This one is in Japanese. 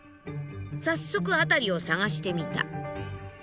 早速辺りを探してみた。